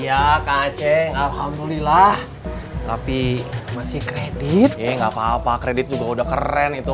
alhamdulillah tapi masih kredit nggak apa apa kredit juga udah keren itu